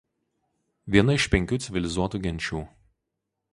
Viena iš Penkių civilizuotų genčių.